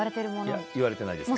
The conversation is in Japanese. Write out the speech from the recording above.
いや、言われてないです。